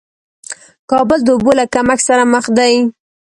کابل د اوبو له کمښت سره مخ دې